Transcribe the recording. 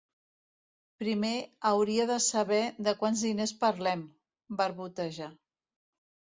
Primer hauria de saber de quants diners parlem —barboteja.